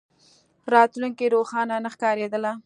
راتلونکې روښانه نه ښکارېدله.